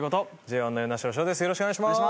よろしくお願いします